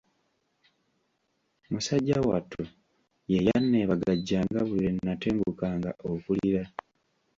Musajja wattu, ye yanneebagajjanga buli lwe nnatengukanga okulira.